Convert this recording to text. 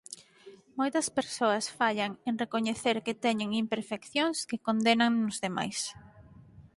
Moitas persoas fallan en recoñecer que teñen imperfeccións que condenan nos demais.